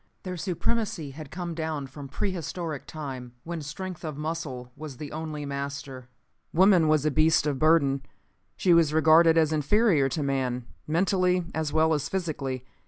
Their supremacy had come down from pre historic time, when strength of muscle was the only master. Woman was a beast of burden. She was regarded as inferior to man, mentally as well as physically.